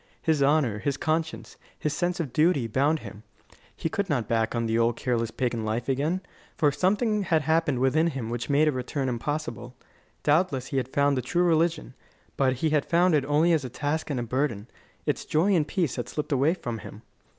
His honour, his conscience, his sense of duty, bound him. He could not go back to the old careless pagan life again; for something had happened within him which made a return impossible. Doubtless he had found the true religion, but he had found it only as a task and a burden; its joy and peace had slipped away from him.